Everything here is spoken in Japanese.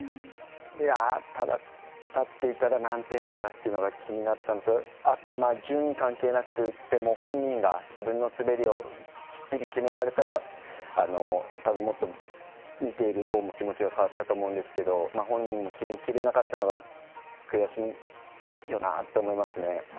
ただ、立っていたら何点出たのか気になったのとあとは順位関係なく本人が自分の滑りをきっちり決められたらもっと見ているほうも気持ちが変わったと思うんですが本人も決めきれなかったのが悔しいよなって思いますね。